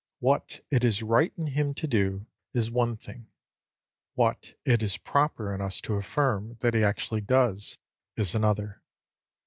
What it is right in him to do, is one thing; what it is proper in us to affirm that he actually does, is another.